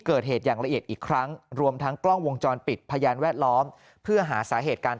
เกิดเหตุอย่างละเอียดอีกครั้งรวมทั้งกล้องวงจรปิดพยานแวดล้อมเพื่อหาสาเหตุการ